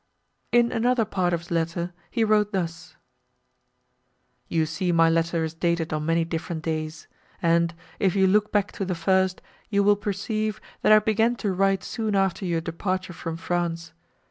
In another part of his letter he wrote thus. "You see my letter is dated on many different days, and, if you look back to the first, you will perceive, that I began to write soon after your departure from France.